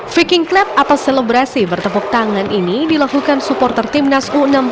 viking club atau selebrasi bertepuk tangan ini dilakukan supporter timnas u enam belas